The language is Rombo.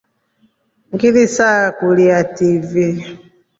Ngilisakulia TV.